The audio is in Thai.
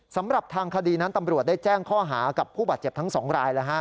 สำหรับทางคดีนั้นตำรวจได้แจ้งข้อหากับผู้บาดเจ็บทั้ง๒ราย